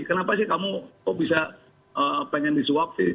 kenapa sih kamu kok bisa pengen disuap sih